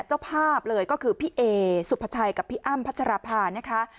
เจ้าภาพเลยก็คือพี่เอสุภาชัยกับพี่อ้ำพัชราภานะคะ